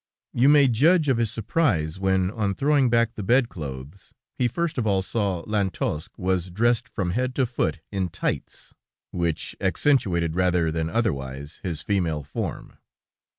"You may judge of his surprise when, on throwing back the bed clothes, he first of all saw that Lantosque was dressed from head to foot in tights, which accentuated, rather than otherwise, his female form.